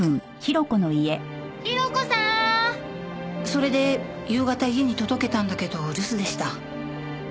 それで夕方家に届けたんだけど留守でした。